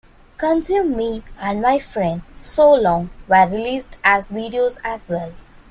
"Consume Me" and "My Friend, So Long" were released as videos as well.